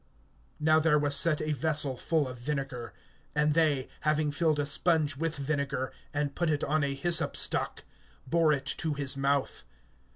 (29)Now there was set a vessel full of vinegar; and they, having filled a sponge with vinegar, and put it on a hyssop stalk, bore it to his mouth.